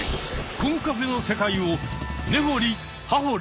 コンカフェの世界をねほりはほり。